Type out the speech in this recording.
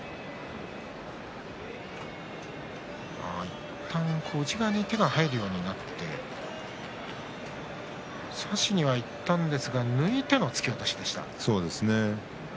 いったん内側に手が入るようになって差しにはいたんですが突き落としでした。